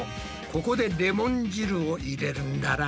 ここでレモン汁を入れるんだな。